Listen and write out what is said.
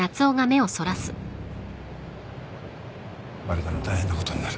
バレたら大変なことになる。